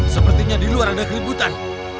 sepertinya di luar ada keributan